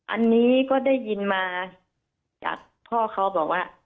อันนี้ก็ได้ยินมาจากพ่อเขาบอกว่า